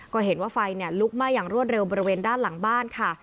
ก็เห็นว่าไฟลุกไหม้อย่างรวดเร็วบริเวณด้านหลังบ้านค่ะ